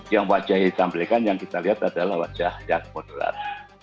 yang wajah yang ditampilkan yang kita lihat adalah wajah yang modelar